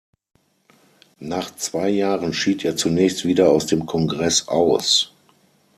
Nach zwei Jahren schied er zunächst wieder aus dem Kongress aus.